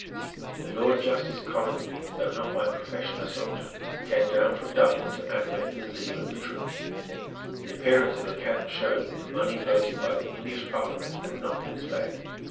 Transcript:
The Lord Justice Coningsby, though not by profession a soldier, came down from Dublin, to animate the zeal of the troops. The appearance of the camp showed that the money voted by the English Parliament had not been spared.